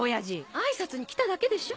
挨拶に来ただけでしょ。